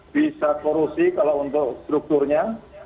bisa korupsi kalau untuk strukturnya